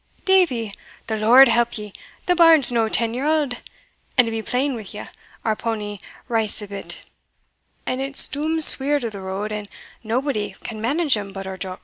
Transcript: "Davie! the Lord help ye, the bairn's no ten year auld; and, to be plain wi' ye, our powny reists a bit, and it's dooms sweer to the road, and naebody can manage him but our Jock."